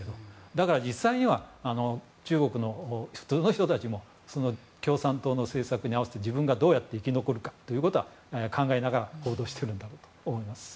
だから実際には中国の普通の人たちも共産党の政策に合わせて自分がどうやって生き残るかは考えながら行動しているんだろうと思います。